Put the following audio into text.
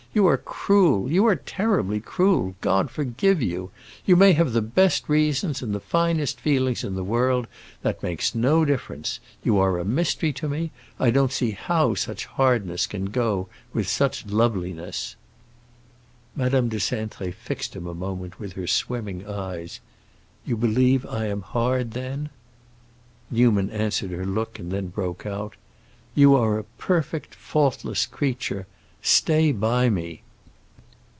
"You are cruel—you are terribly cruel. God forgive you! You may have the best reasons and the finest feelings in the world; that makes no difference. You are a mystery to me; I don't see how such hardness can go with such loveliness." Madame de Cintré fixed him a moment with her swimming eyes. "You believe I am hard, then?" Newman answered her look, and then broke out, "You are a perfect, faultless creature! Stay by me!"